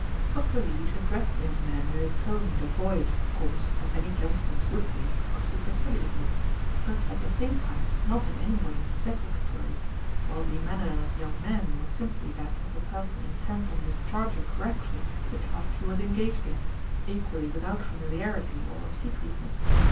Dr. Leete addressed the young man in a tone devoid, of course, as any gentleman's would be, of superciliousness, but at the same time not in any way deprecatory, while the manner of the young man was simply that of a person intent on discharging correctly the task he was engaged in, equally without familiarity or obsequiousness.